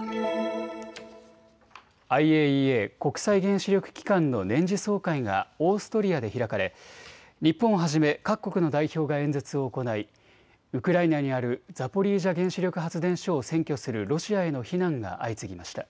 ＩＡＥＡ・国際原子力機関の年次総会がオーストリアで開かれ日本をはじめ各国の代表が演説を行い、ウクライナにあるザポリージャ原子力発電所を占拠するロシアへの非難が相次ぎました。